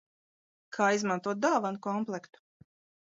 Kā izmantot dāvanu komplektu?